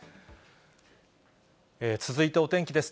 続いてお天気です。